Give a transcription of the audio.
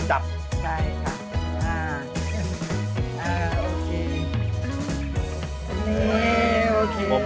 ใช่ค่ะ